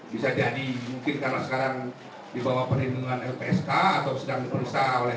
bisa jadi mungkin karena sekarang dibawah perlindungan lpsk atau sedang diperiksa oleh